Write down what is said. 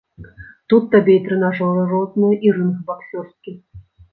Тут табе і трэнажоры розныя, і рынг баксёрскі.